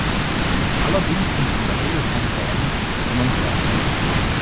Allerdings sind sie in der Regel keine Dänen, sondern Färinger.